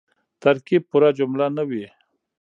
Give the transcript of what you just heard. ترکیب پوره جمله نه يي.